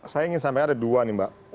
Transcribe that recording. saya ingin sampaikan ada dua nih mbak